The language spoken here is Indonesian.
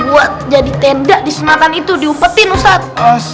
tuhan tuhan hanya masih ada di perintahsanya sudah berwarc amerika maksudnya lihari nginformasi